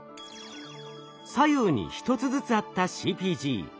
左右に１つずつあったＣＰＧ。